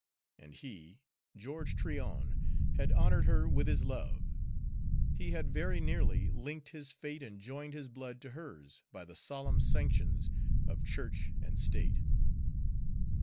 And he, George Tryon, had honored her with his love; he had very nearly linked his fate and joined his blood to hers by the solemn sanctions of church and state.